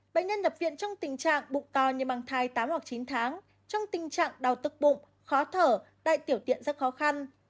bệnh nhân nhập viện trong tình trạng bụng to như bằng thai tám chín tháng trong tình trạng đau tức bụng khó thở đại tiểu tiện rất khó khăn